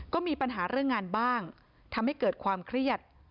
ก็มีปัญหาเรื่องงานบ้างทำให้เกิดความเครียด